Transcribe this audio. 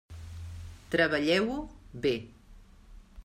Treballeu-ho bé.